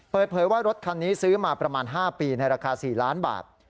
เปิดเผยว่ารถคันนี้ซื้อมาประมาณ๕ปีในราคา๔ล้านบาท